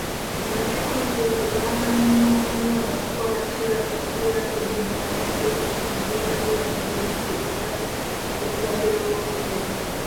Bakikoze olwa banoonya okukwatira ekibiina bbendera ku bwapulezidenti, Eng.Amuriat ne Biriggwa, okusaba okwongerwa obudde.